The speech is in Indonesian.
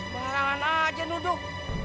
semarangan aja duduk